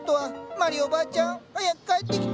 まりおばあちゃん早く帰ってきて！